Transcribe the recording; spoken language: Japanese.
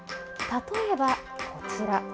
例えばこちら。